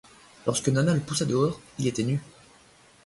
Lorsque Nana le poussa dehors, il était nu.